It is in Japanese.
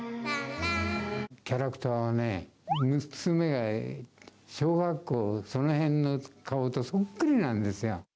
キャラクターはね、娘が小学校、そのへんの顔とそっくりなんですよ。